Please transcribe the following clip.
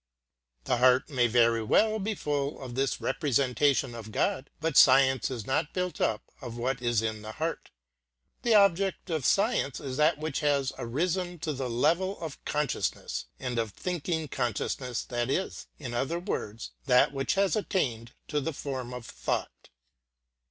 The heart may very well be full of this representation of God, but science is not built up of what is in the heart. The object of science is that which has arisen to the level of consciousness, and of thinking consciousness that is, in other words, that which has attained to the form of thought.